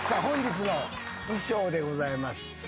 本日の衣装でございます。